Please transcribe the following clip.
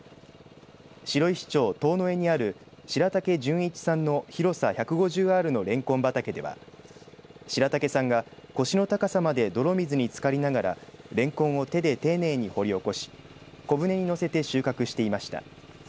白石町遠江にある白武淳一さんの広さ１５０アールのれんこん畑では、白武さんが腰の高さまで泥水につかりながら、れんこんを手で丁寧に掘り起こし小舟に乗せて収穫していました。